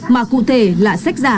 mà cụ thể là sách giả